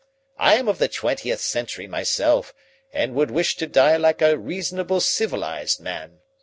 I'm of the twentieth century myself, and would wish to die like a reasonable civilized man.